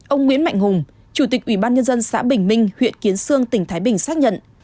ông nguyễn mạnh hùng chủ tịch ubnd xã bình minh huyện kiến sương tỉnh thái bình xác nhận